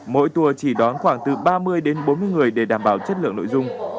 mỗi tour chỉ đón khoảng từ ba mươi đến bốn mươi người để đảm bảo chất lượng nội dung